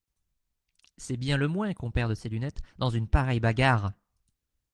C’est bien le moins qu’on perde ses lunettes dans une pareille bagarre !